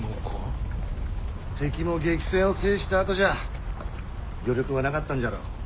敵も激戦を制したあとじゃ余力はなかったんじゃろう。